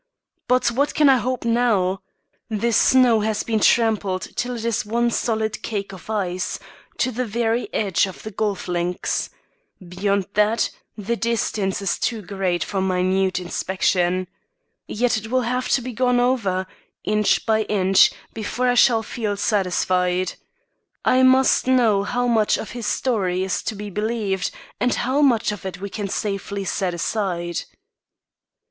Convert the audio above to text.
"But what can I hope now? The snow has been trampled till it is one solid cake of ice, to the very edge of the golf links. Beyond that, the distance is too great for minute inspection. Yet it will have to be gone over, inch by inch, before I shall feel satisfied. I must know how much of his story is to be believed, and how much of it we can safely set aside."